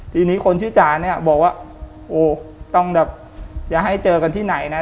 ทีนี้คนชื่อจ๋าเนี่ยบอกว่าโอ้ต้องแบบอย่าให้เจอกันที่ไหนนะ